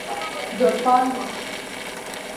De pas loin.